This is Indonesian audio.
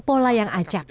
pola yang ajak